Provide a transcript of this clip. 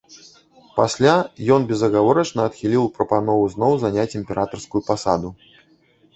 Пасля ён безагаворачна адхіліў прапанову зноў заняць імператарскую пасаду.